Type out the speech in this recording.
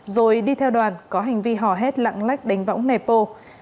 rồi đi theo đoàn có hành vi hò hét lặng lách đánh võng nèp ô